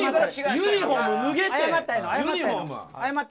ユニホーム脱げって！